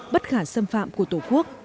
bất khả xâm phạm của tổ quốc